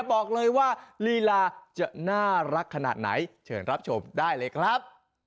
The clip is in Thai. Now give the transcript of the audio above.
บอกเลยว่าลีลาจะน่ารักขนาดไหนเชิญรับชมได้เลยครับ